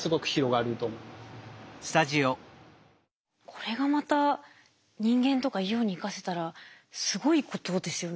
これがまた人間とか医療に生かせたらすごいことですよね。